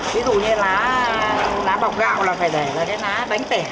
ví dụ như lá bọc gạo là phải để lá bánh tẻ